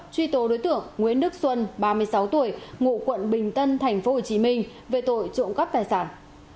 truy tố đối tượng nguyễn đức xuân ba mươi sáu tuổi ngụ quận bình tân tp hcm về tội trộm cắp tài sản